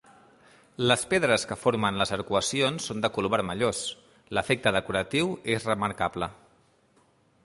Les pedres que formen les arcuacions són de color vermellós; l'efecte decoratiu és remarcable.